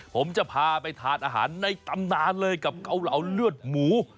ผมจะพาไปทานอาหารในตำนานเลยกับเกาเหลาเลือดหมู